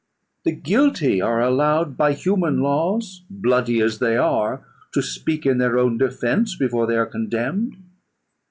The guilty are allowed, by human laws, bloody as they are, to speak in their own defence before they are condemned.